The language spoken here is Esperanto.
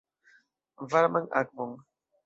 Varman akvon!